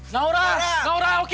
naura naura oki